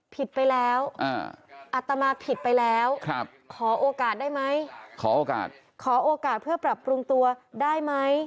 ผิดไปแล้วอัตมาผิดไปแล้วขอโอกาสได้ไหมขอโอกาสขอโอกาสเพื่อปรับปรุงตัวได้ไหม